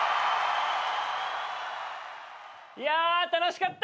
・いや楽しかった！